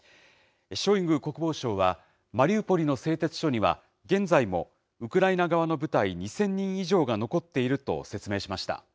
ショイグ国防相は、マリウポリの製鉄所には、現在もウクライナ側の部隊２０００人以上が残っていると説明しました。